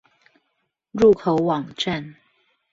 入口網站